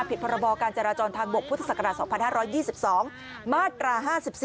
พรบการจราจรทางบกพุทธศักราช๒๕๒๒มาตรา๕๔